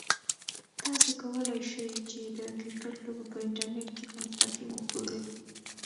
تاسو کولای شئ چې د کرکټ لوبه په انټرنیټ کې په مستقیم وګورئ.